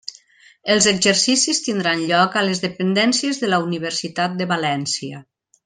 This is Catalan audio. Els exercicis tindran lloc a les dependències de la Universitat de València.